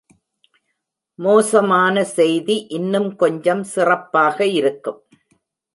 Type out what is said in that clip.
மோசமான செய்தி இன்னும் கொஞ்சம் சிறப்பாக இருக்கும்.